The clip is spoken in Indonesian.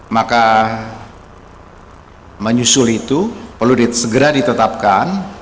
maka menyusul itu perlu segera ditetapkan